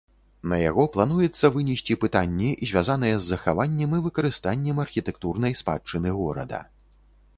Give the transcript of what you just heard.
На яго плануецца вынесці пытанні, звязаныя з захаваннем і выкарыстаннем архітэктурнай спадчыны горада.